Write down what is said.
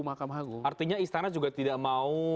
mahkamah agung artinya istana juga tidak mau